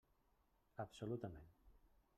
Absolutament.